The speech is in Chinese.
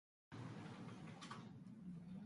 杜叔叔干的好事。